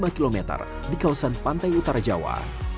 enam ratus delapan puluh lima km di kawasan pantai utara jawa